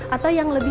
atau yang lebih